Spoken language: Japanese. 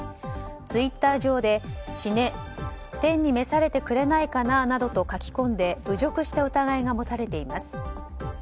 ツイッター上で、死ね天に召されてくれないかななどと書き込んで侮辱した疑いが持たれています。